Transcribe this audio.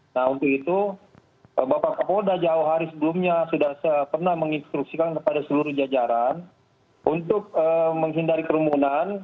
nah untuk itu bapak kapolda jauh hari sebelumnya sudah pernah menginstruksikan kepada seluruh jajaran untuk menghindari kerumunan